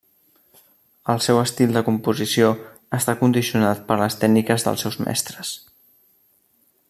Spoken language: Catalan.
El seu estil de composició està condicionat per les tècniques dels seus mestres.